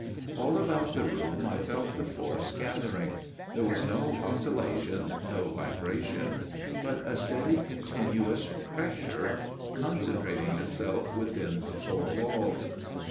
" All about the room I felt the force gathering. There was no oscillation, no vibration, but a steady continuous pressure concentrating itself within the four walls.